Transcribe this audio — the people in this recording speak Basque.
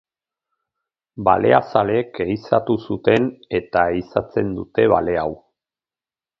Baleazaleek ehizatu zuten eta ehizatzen dute bale hau.